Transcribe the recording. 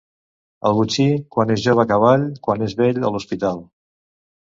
El botxí, quan és jove a cavall i, quan és vell, a l'hospital.